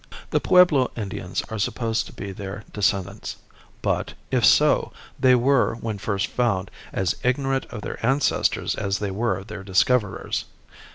The Pueblo Indians are supposed to be their descendants, but, if so, they were, when first found, as ignorant of their ancestors as they were of their discoverers.